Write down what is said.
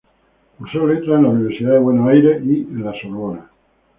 Cursó Letras en la Universidad de Buenos Aires y en La Sorbona.